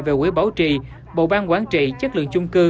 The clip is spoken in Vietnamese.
về quỹ bảo trì bộ ban quản trị chất lượng trung cư